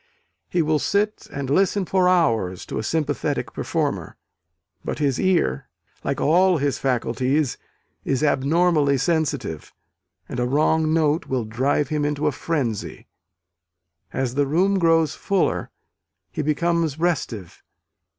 He will sit and listen for hours to a sympathetic performer: but his ear, like all his faculties, is abnormally sensitive: and a wrong note will drive him into a frenzy. As the room grows fuller, he becomes restive.